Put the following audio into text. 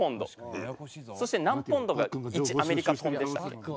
そして何ポンドが１アメリカトンでしたっけ？